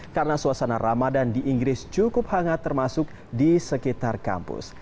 karena suasana ramadan di inggris cukup hangat termasuk di sekitar kampus